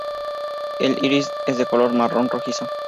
El iris es de color marrón rojizo.